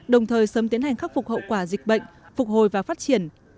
đồng thời sớm tiến hành khắc phục hậu quả dịch bệnh phục hồi và phát triển